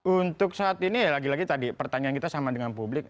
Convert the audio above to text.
untuk saat ini ya lagi lagi tadi pertanyaan kita sama dengan publik